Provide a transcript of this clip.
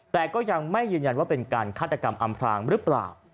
แต่ก็ยังไม่ยืนยันว่าเป็นการฆาตกรรมอำพลางหรือเปล่า